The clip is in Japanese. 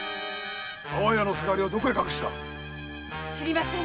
安房屋のせがれをどこへ隠した⁉知りません。